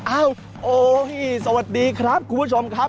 อ้าวโอ้โฮ้สวัสดีครับคุณผู้ชมครับ